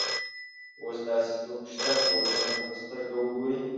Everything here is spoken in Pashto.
اوس داسې څوک شته چې وطن ته په سترګه وګوري.